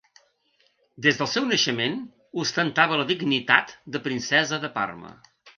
Des del seu naixement ostentava la dignitat de princesa de Parma.